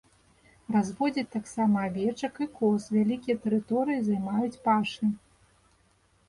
Разводзяць таксама авечак і коз, вялікія тэрыторыі займаюць пашы.